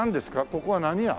ここは何屋？